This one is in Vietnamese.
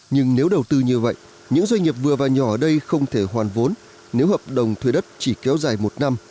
nhưng nếu đầu tư như vậy những doanh nghiệp vừa và nhỏ ở đây không thể hoàn vốn nếu hợp đồng thuê đất chỉ kéo dài một năm